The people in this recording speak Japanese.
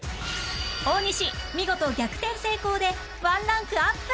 大西見事逆転成功で１ランクアップ！